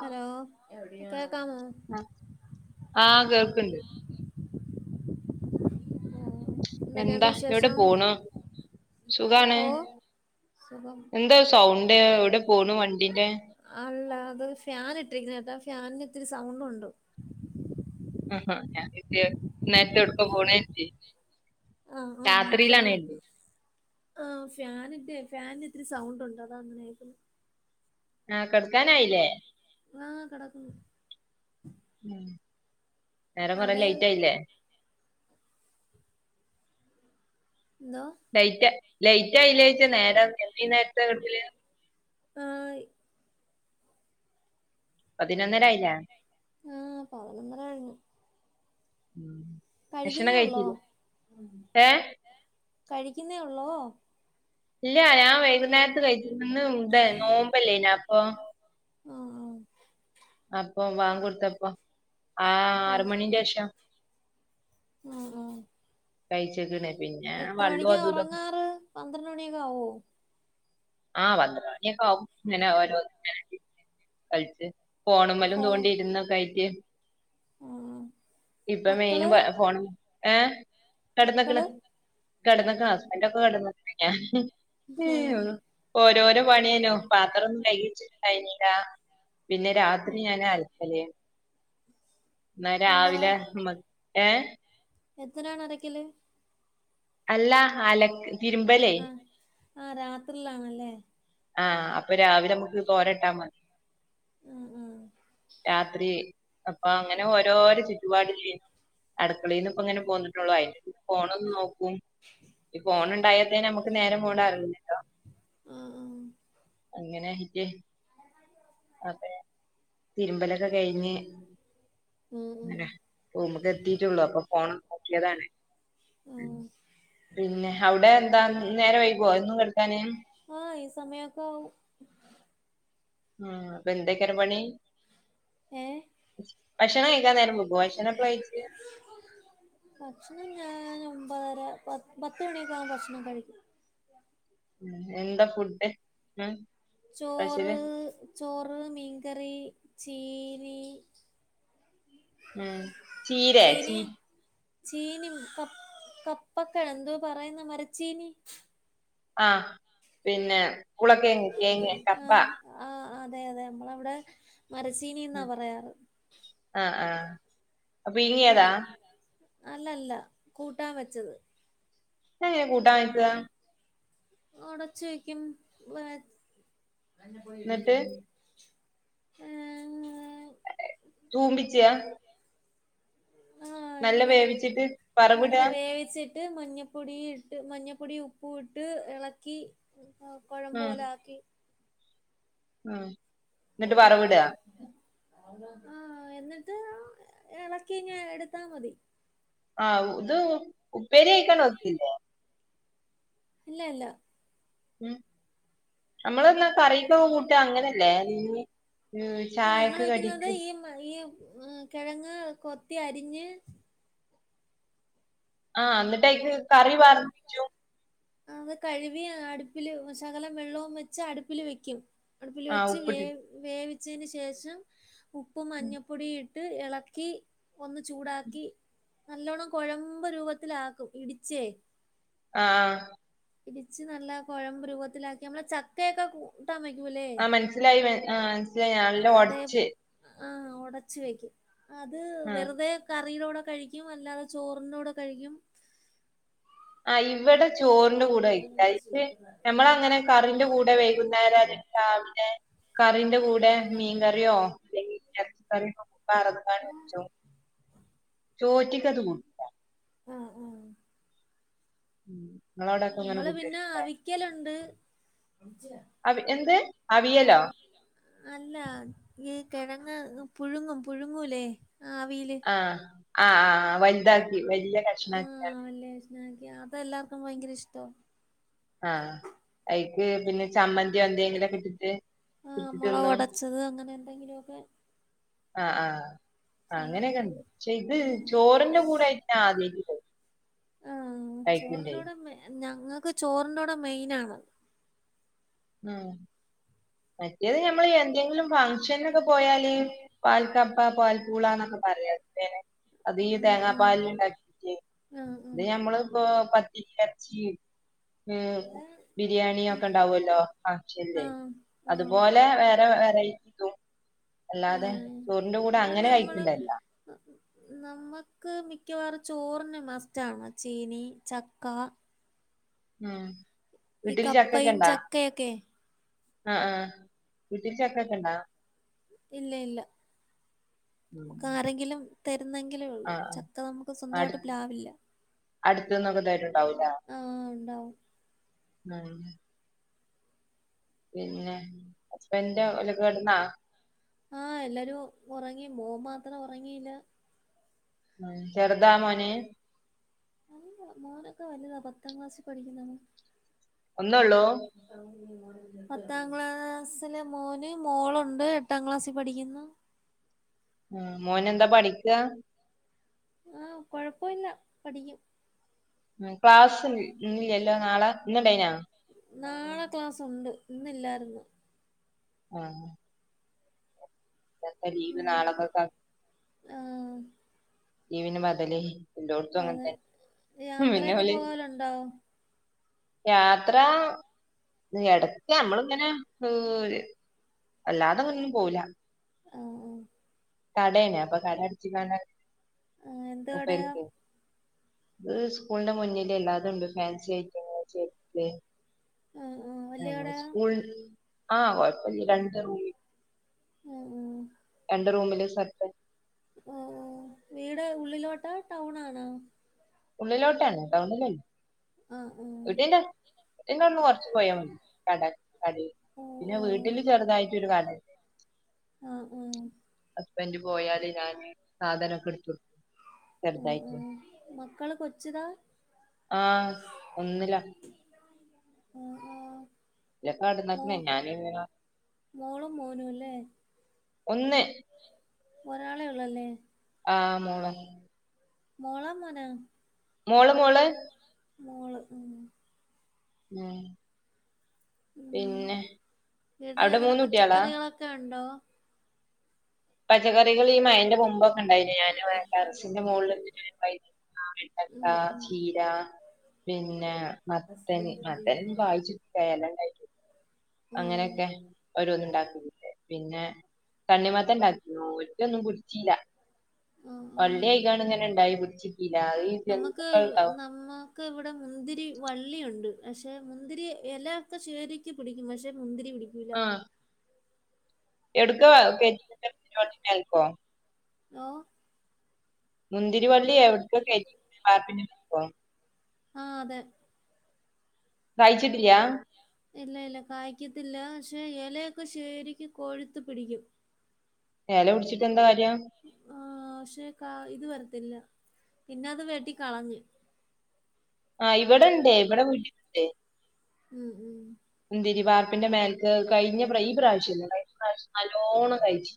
Hello കേകാമോ ആഹ് കേൾക്ക്ണ്ട് എന്തൊക്കെയുണ്ട് എന്താ എവിടെ വിശേഷം പോണു സുഖാണ് ഓ സുഖം എന്താ സൗണ്ട് എവിടെ പോണു വണ്ടീന്റെ അല്ല അത് ഫ്യാന് ഇട്ടിരിക്കുന്ന കേട്ടാ ആ ഫ്യാനിന് ഇത്തിരി സൗണ്ട് ഉണ്ട് അഹ് ആ ട്ട ഞാൻ കരുതി കുട്ടിനെറ്റ് എവടക്കാ പോണ് കരുതി ആഹ് ആഹ് ഫാൻ രാത്രിയിലാണ് ആഹ് ഫ്യാനിന്റെ ഫാനിന് ഇത്തിരി സൗണ്ട് ഉണ്ട് അതാ ആഹ് കടക്കാനായില്ലേ ആഹ് കടക്കുന്നു ഉം നേരം അവിടെ കുറെലെയ്റ്റായില്ലേ എന്തോ ലൈറ്റ് ലൈറ്റആയില്ലേ ചോയിച്ച നേരംഈ നേരത് ഹായ് പതിനൊന്നരായില്ലേ ആഹ് പതിനൊന്നര കഴിഞ്ഞു ഉം ഭക്ഷണം കഴിക്കുന്നേ ഒള്ളൂ കഴിച്ചില്ലേ ഏഹ് കഴിക്കുന്നേ ഉള്ളോ ഇല്ല ഞാൻ വൈകുന്നേരത്ത് കഴിച്ചിന്ന് ഇന്ന് ഇവിടെ നോമ്പല്ലെയിന്നോ അപ്പൊ ഉം അപ്പൊ വാങ്ക് കൊടുത്തപ്പ ആ കഴി ആറ്മണിന്റെഷം കഴിച്ചേക്കണ് പിന്നെ എത്ര വള്ളും മണിക്കാ അതും ഇതൊക്കെ ഉറങ്ങാറ് പന്ത്രണ്ട് മണിയക്കാവോ? ആഹ്! വന്നു പണിയൊക്കെ ആവും ഇങ്ങനെ ഓരോ കഴിച്ച് ഫോണുമേലും തോണ്ടിയിരുന്ന കയിക്ക് ഉം..... ഇപ്പൊ മെയിന് ഫോണും ഏ... കെടന്നക്കണ് മക്കള് കെടന്നക്കാ ഹസ്ബൻഡ ഒക്കെ കെടന്ന് ഞാൻ- ആഹ് ഓരോരോ പണിയനോ പാത്രഒന്നും കൈകിച്ചിട്ട് ണ്ടായിനില പിന്നെ രാത്രി ഞാൻ അൽക്കല് എന്നാ രാവിലെ നമ്മക്ക് ഏ എത്രാണ് അരക്കല്? അല്ല ആലക്ക് തിരുമ്പലേ! ആ രാത്രിയിലാണല്ലേ! ആഹ്! അപ്പൊ രാവിലെ നമുക്ക് കോരട്ടാ മതി- ഉം... ഉം.... രാത്രി അപ്പൊ അങ്ങനെ ഓരോരോ ചുറ്റുപാടില് അടക്കളയി നിന്ന് ഇപ്പോ ഇങ്ങനെ പോന്നിട്ടുള്ളോ അതിന്റെ കൂടെ ഫോണൊന്ന് നോക്കും ഈ ഫോൺ ഉണ്ടായോട്ട് നമുക്ക് നേരം പോണ അറിയുന്നില്ല ആ.. ആഹ്! അങ്ങനൊയിട്ട് അപ്പെ തിരുമ്പലൊക്കെ കഴിഞ്ഞ് ഉം ഉം അങ്ങനെ പുമുക്ക് എത്തിട്ടേള്ളൂ അപ്പൊ ഫോൺ നോക്കിയതാണ് ആഹ് പിന്നെ അവിടെ എന്താ നേരെ വൈകോ എന്നും കിടക്കാന്? ആഹ്! ഈ സമയക്കെ ആവും ഉ അപ്പൊ എന്തൊക്കെയറ പണി? ഏഹ് ഭക്ഷണം കഴിക്കാൻ നേരം മുമ്പ് ഭക്ഷണക്കെ കഴിച്ച് ഭക്ഷണം ഞൻ ഒമ്പതര പത്ത് മണിയൊക്കെ ആകുമ്പം ഭക്ഷണം കഴിക്കും ഉം... എന്താ ഫുഡ് ഇന്ന്? ചോറ്, ചോറ്, മീൻകറി, ചീനി ഉം... ചീരെ ചീനി ചീ- ചീനി ക കപ്പക്കൾ എന്തോ പറയുന്ന മരച്ചീനി ആഹ്! പിന്നെ കുളക്കേങ്ങ തേങ്ങ കപ്പ ആഹ് ആഹ്.... അതെ! അതെ! നമ്മളവിടെ മരച്ചീനി എന്നാ പറയാറ് ആഹ്! ആഹ്! അല്ല! അല്ല! കൂട്ടാൻ വെച്ചത്. ഇതെങ്ങനെയാ കൂട്ടാൻ വെക്കുക? ഉടച്ചു വയ്ക്കും അെ പോയി എ എന്നിട്ട് തോന്നി [inaudible] തൂമ്പിച്ചിയാ ആഹ്! ഇങ്ങനെ വേവിച്ചിട്ട് നല്ല വറവിടാ വേവിച്ചി - ട്ട് മഞ്ഞൾപ്പൊടി ഇട്ട് മഞ്ഞപ്പൊടി ഉപ്പും ഇട്ട് ഇളക്കി- കൊഴമ്പ് പോലൊക്കി ആഹ്! ഗരം [inaudible] ആഹ്! എന്നിട്ട് ഇളക്കി ഇഞ്ഞ് എടുത്താ മതി ആഹ്! ഇത് ഉപ്പേരിയാക്കാൻ ഒക്കില്ലേ? ഇല്ല! ഇല്ല! ഉം.. നമ്മള എന്നാ കറിക്ക്കൂട്ടാ അങ്ങനെയല്ലേ? ഉമ് ഞങ്ങള് ചായക്ക് വെക്കുന്നത് കടിക്ക് ഈ ഈ കിഴങ്ങ് കൊത്തി അരിഞ്ഞ് ആ ന്നിട്ടൈക്ക് കറി പാർ [inaudible] ച്ചു അത് കഴുവി അടുപ്പില് ശകലം വെള്ളോം വെച്ച് അടുപ്പില് വെക്കും അടുപ്പില് ആഹ് വെച്ച് വേ ഉപ്പിട്ടിട്ട് വേവിച്ചയ്ന് ശേഷം ഉപ്പും മഞ്ഞപ്പൊടീയി ട്ട് എളക്കി ഒന്ന് ചൂടാക്കി നല്ലോണം കൊഴമ്പ് രൂപത്തില ഇടിച്ചേ ആഹ് ആഹ് രിച്ച് നല്ല കൊഴമ്പ് രൂപത്തിലാക്കി നമ്മള ച കൂട്ടാൻ വയ്ക്കൂല്ലേ ആഹ്! മനസ്സിലായി ആ മനസ്സിലായി നല്ല അതേ ഒടച്ച് ആഹ് ഒടച് വെക്കും അത് ആ വെറുതെ കറീടോടെ കഴിക്കും അല്ലാതെ ചോറിന്റോടെ കഴിക്കും ആ ഇവടെ ചോറിന്റെ കൂടെ [inaudible] [unintelligible] ഞമ്മളങ്ങനെ കറിന്റെ കൂടെ വൈകുന്നേരല്ലങ്കിരാവിലെ കറിന്റെ കൂടെ മീങ്കറ്യോ അല്ലെങ്കി എറെച്ചി ക്കറ്യോ വാർന്ന് വെച്ചും ചോറ്റിക്കത് കൂ ആഹ് ആഹ് ഉം നമ്മള് പിന്നെ അവിക്കല്ണ്ട് അവ് എന്ത് അവിയലോ? അല്ല ഈ കെഴങ്ങ് പുഴുങ്ങും പുഴുങ്ങൂലേ ആവില് ആഹ് ആഹ് ആഹ് വൽതാക്കി വല്ല്യ കഷ്ണാക്കി ആ വല്യ ഷണ്ണാക്കി അതെല്ലാർക്കും വയ്ങ്കര ഇഷ്ട ആഹ് അയ്ക്ക് പിന്നെ ചമ്മന്ത്യോ ന്തെങ്കിലൊക്കെ ട്ടിട്ട് ആ മൊളകൊടച്ചത് അങ്ങനെ എന്തെങ്കിലു ഒക്കെ ആഹ് ആഹ് ചെയ്യാറുണ്ട് അങ്ങനക്കെണ്ട് ചെത് ഉം ചോറിന്റെ കൂടെ [inaudible] ഞ ആദ്യായ്റ്റ് ചോറിന്റോടെ മെ ഞങ്ങക്ക് ചോറിന്റോടെ മെയ്നാണ് ഉ മറ്റേത് നഞമ്മള് എന്തെങ്കിലും ഫംഗ്ഷനൊക്കെ പോയാല് പാൽക്കപ്പ പാൽപൂളന്നൊക്കെപറീലെ [unintelligible] ത്തേനെ അതീ ഉം ഉം തേങ്ങാപ്പാൽ ല് ണ്ടാക്കിട്ടേയ് ആ ഉം ത് ഞമ്മള് പ്പോ പ എർച്ചി ഇവിടെ ബിരിയാണി ഒക്കെ ണ്ടാവോല്ലോ അ [inaudible] ആ ല്ലേ ആ അത്പോലെ വേറെ വെറൈ [inaudible] ആ ല്ലാതെ ചോറിന്റെ കൂട അങ്ങനെ കയ്ക്കലല്ല നമ്മക്ക് മിക്കവാറു ചോറിന് മസ്റ്റാണ് ചീനി ചക്ക ഉം ഇ വീട്ടിൽ കപ്പയും ചക്കയൊക്കെ അഹ് ആഹ് വീട്ടി ചക്കക്കെ ണ്ടാ ഇല്ല ഇല്ല ഉം മ്മക്കാരെങ്കിലും തരുന്നെങ്കിലേ ഒള്ളൂ ചക്ക നമുക്ക് സ്വന്തായ്ട്ട്, പ്ലാവില്ല അട്തൂന്നൊക്കെ തര്ണ്ടാവുല്ലേ ആ ഉണ്ടാവും പിന്നെ ഹസ്ബന്റെ ഓലൊക്കെടന്നാ ആ ല്ലാരു ഒറങ്ങി മോ മാത്രം ഒറങ്ങീല്ല ചെറുതാ മോന് അല്ല മോനൊക്കെ വലുതാ പത്താം ക്ലാസ്സിൽ പഠിക്കുന്ന ഒന്നൊള്ളൂ [unintelligible] പത്താം ക്ലാസ്സില് മോന് മോളുണ്ട് എട്ടാം ക്ലാസ്സി പഠിക്ക്ന്നു ആ മോനെന്താ പഠിക്ക ആ കൊഴപൊല്ല പഠിക്കും ക്ലാസ് ല്ലല്ലോ നാളെ ഇന്ന് ണ്ടയ്നാ നാളെ ക്ലാസുണ്ട് ഇന്നില്ലാര്ന്നു. ആഹ് അല്ലീങ്കി ഉം നാളെക്കക്കാ ആ ല്ല പിന്നെ ബധല്, ഏല്ലോട്ത്തും അങ്ങൻ അതെ തെന്നെ ഉം പിന്നെ യാത്രയൊക്കെ ഇബല് പോവലുണ്ടോ യാത്ര ഇടക്ക് നമ്മള് ഇങ്ങനെ അല്ലാതെങ്ങൊന്നും പോവുല്ല ആഹ് ആഹ് കടേണ് അപ്പൊ കട അടച്ച്ങ്ങാണ്ടാണ് ആഹ് എന്ത് കടയാ മുപ്പര്ക്ക് ഇത് ഉസ്കൂളിന്റെ മുന്നിലെല്ലാതുണ്ട് ഫാൻസി ഐറ്റങ്ങള് ചെരു ആഹ് ആഹ് വല്യ [unintelligible] കടയാ സ്കൂൾ ആ കൊഴപ്പല്ല്യ രണ്ട് റൂമി മ് രണ്ട് റൂമില് സെറ്റ് വീട് ഉള്ളിലോട്ടാ ടൗൺ ആണോ ഉള്ളിലോട്ട് തന്നെ ടൗണിലല്ല്ലാ ആഹ് ആഹ് പിന്നവ്ടന്ന് കൊറച്ച് പോയാമതി. കട കടീക്ക് ഓഹ് പിന്നെ വ് ഓഹ് ട്ട്ല് ചെറ്തായിറ്റൊര് കടേ ആ ആഹ് ഹസ്ബൻഡ് പോയാല് ഞാന് സാധനമൊക്കെ എടുത്ത് കൊടുക്കും. ഉ ഉ ചെറുതായിട്ട് മക്കള് കൊച്ചുതാ ആഹ് ഒന്നില്ല ആ ആ മോ കടന്നക്ക്ണ് ഞാന് മോളും മൂനും അല്ലേ ഒന്ന് ഒരാളേ ഉള്ളല്ലേ ആ മോള മോള മോനാ മോള് മോള് മോള് ഉ ഉം ഉം പിന്നെ അവിടെ മുന്ന് കുട്ടികളാ ത്തണ്ടോ? പച്ചക്കറികൾ ഈ മയന്റെ മുമ്പൊക്കെ ഉണ്ടായിരുന്നു ഞാൻ പിന്നെ വെ ടെറസിന്റെ മോൾല് വൈതൻങ്ങ, വെണ്ടക്ക, ഉം ഉം ചീര പിന്നെ മത്തന് മത്തന കായ്ച്ചിട്ടില്ല ഇല ഉണ്ടായി ആഹ് അങ്ങനെയൊക്കെ ഓരോന്നും ഉണ്ടാക്കി പിന്നെ തണ്ണിമത്തൻ ഉണ്ടാക്കിയോ ഒറ്റൊന്നും പിടിച്ചില്ല ആഹ് ആ വള്ളിയൊക്കെ ഇങ്ങനെ ഉണ്ടായി പിടിച്ചു കിട്ടിയില്ല നമുക്ക് നമ്മ നമ്മക്ക് ഇവിടെ മുന്തിരി വള്ളിയുണ്ട് പക്ഷേ മുന്തിരി ഇല ഒക്കെ ശരിക്കും പിടിക്കും പക്ഷേ മുന്തിരി പിടിക്കും ആ എവ്ട്ക്ക്വാകേറ്റീക്ക്ണ് മുന്തിരി വള്ളി മേൽക്കോ ഹലോ മുന്തിരിവള്ളി എവ്ട്ക്കാ കേറ്റീക്ക്ണ് വാർപ്പിന്റെ മോൽക്കോ ആ അതെ കയിച്ചിട്ടില്ല ഇല്ല ഇല്ല കായ്ക്കത്തില്ല പക്ഷെ ഇലയൊക്കെ ശരിക്കും കോഴുത്ത് പിടിക്കും. ഇല പിടിച്ചിട്ട് എന്താ കാര്യം ആ പക്ഷേ ഇത് വരത്തില്ല പിന്നെ അത് വെട്ടി കളഞ്ഞ് ആ ഇവിടെണ്ട് ഇവിടെ വീട്ടിലുണ്ട് ഉം ഉം മുന്തിരി വാർപ്പിന്റെ മേൽക്ക് കഴിഞ്ഞ പ്ര ഈ പ്രാവശ്യമല്ല കഴിഞ്ഞ പ്രാവശ്യം നല്ലവണ്ണം കായ്ച്ചു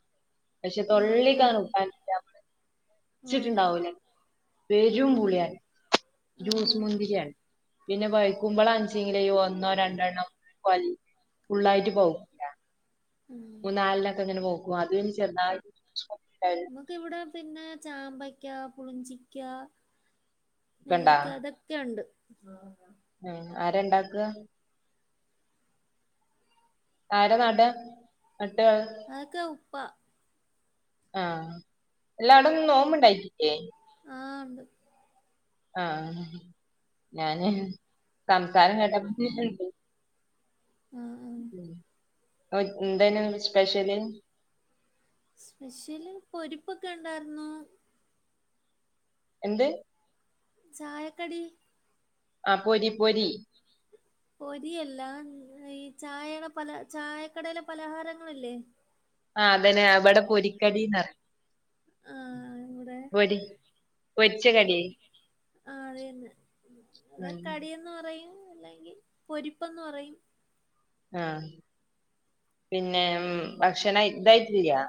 പക്ഷെ ഉം ഉം. തൊള്ളിക്കങ്ങട്ട് ഉട്ടാൻ പറ്റൂല. കഴിച്ചിട്ട് ഉം. ഉണ്ടാവില്ല പേരും ഉം. പൂളിയാൻ ഉം. ജ്യൂസ് മുന്തിരിയാണ് പിന്ന പ ഴക്കുമ്പളാണ് ങ്കില് ഒന്നോ രണ്ടെണ്ണം വലി ഫുള്ളായിട്ട് പോകും ഉം. മൂന്നാലക്ക ഇങ്ങന പൗക്കും അതും ചെറ്തായിട്ട് ചോപ്പുണ്ടാര്ന്ന് നമക്ക് ഇവിടെ പിന്നെ ചാമ്പയ്ക്കാ പുളിഞ്ചിക്കാ ക്കണ്ടാ നെല്ലിക്കാ അതൊ ക്കെ ഒണ്ട് ആഹ് ആരെണ്ടാക്കുക ആര നട നട്ടത് അതൊക്കെ ഉപ്പ ആഹ് അല്ല അവിട്‌ന്ന് നോമ്പ്ണ്ടായിട്ടില്ലെ ആഹ് ഇണ്ട് ആഹ് ഞാന് സംസാരം കേട്ടപ [unintelligible] ആഹ് ആ ഓയ് എന്തെനു നിങ്ങട സ്പെഷ്യല് സ്പെഷ്യല് പൊരിപ്പൊക്ക ണ്ടാർന്നു എന്ത് ചായക്കടി ആ പൊരി പൊരി പൊരിയല്ല ഈ ചായയുടെ പല ചായക്കടയിലെ പലഹാരങ്ങളില്ലെ ആ അതന്നെ അവിട പൊരിക്കടീന്നാ ആഹ് ഇവിടെ പൊരി പൊരിച്ച കടി ആഹ് ത വര്ന്ന് ന്താ ഉം കടീ ന്ന് പറയും അല്ലെങ്കി പൊരിപ്പന്ന് പറയും ആഹ പിന്നെ ഭക്ഷണാ ഇതായിട്ടില്ല്യാ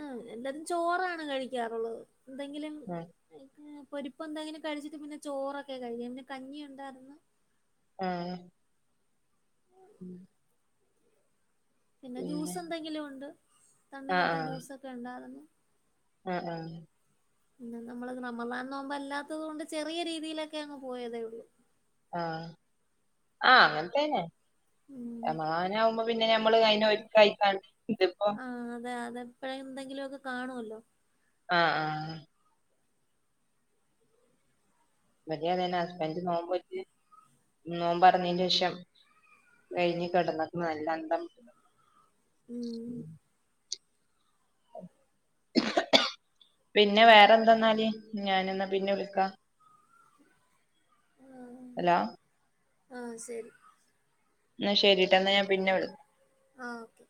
ആ എന്താലും ചോറാണ് കഴിക്കാറുള്ളത് എന്തെങ്കിലും ആഹ് അയ്ക്ക് പൊരിപ്പന്തെങ്കിലും കഴിച്ചിട്ട് പിന്നെ ചോറൊക്കെ കഴിക്ക്ന്നെ പിന്നെ കഞ്ഞി ഒണ്ടാർ ന്നു ആഹ് ഉം [inaudible] പിന്നെ ജ്യൂസ് എന്തെങ്കിലൂ ഒണ്ട് ആഹ് തണ്ണിമത്തൻ ആഹ് ജ്യൂസൊക്കെ ഒണ്ടാറ്ന്നു ആ ആഹ് പിന്നെ നമ്മളത് റമളാ നോമ്പല്ലാത്തത് കൊണ്ട് ചെറിയ രീതിയിലെക്കെ അങ്ങ് പോയതേ ഒള്ളൂ ആഹ് ആഹ അങ്ങനത്തന്നെ ഉം റമനാവുമ്പോ പിന്നെ ഞമ്മള് അയിനെ ഒരുക്കായി കണ്ട് [unintelligible] ആ അതെ അതെ ഇപ്പഴെ എന്തെങ്കിലു ഒക്കെ കാണുവല്ലോ ആ ആഹ് ഇവിടെ അതന്നെ ഹസ്ബൻഡ് നോമ്പോറ്റ് നോമ്പറന്നെന്റെഷം [inaudible] കഴിഞ്ഞ് കിടന്നപ്പ നല്ല അന്തം വിട്ട്. ഊ മ് പിന്നെ വേറെന്തെന്നാല് ഞാന് ന്നാ പിന്നെ വിളികാം ഹലോ ആ സെരി ഇ ന്ന ശരീട്ടാ ന്നാ ഞാ പിന്ന വിള ആഹ് ഓക്കെ